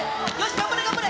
頑張れ、頑張れ。